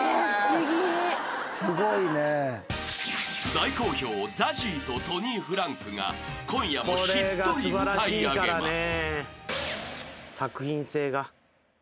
［大好評ＺＡＺＹとトニーフランクが今夜もしっとり歌い上げます］